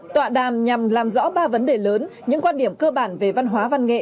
tọa đàm nhằm làm rõ ba vấn đề lớn những quan điểm cơ bản về văn hóa văn nghệ